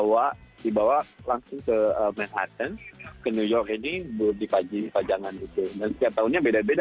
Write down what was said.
wow jadi ditebang dibawa langsung ke manhattan ke new york ini di pajangan itu dan setiap tahunnya beda beda